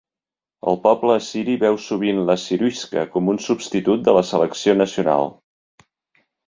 El poble assiri veu sovint l'Assyriska com un substitut de la selecció nacional.